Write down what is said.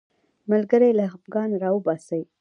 ملګری له خفګانه راوباسي